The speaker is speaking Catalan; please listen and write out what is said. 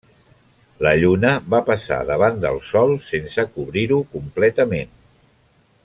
La lluna va passar davant del Sol sense cobrir-ho completament.